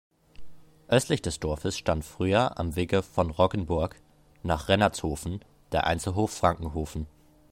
Östlich des Dorfes stand früher am Wege von Roggenburg nach Rennertshofen der Einzelhof Frankenhofen.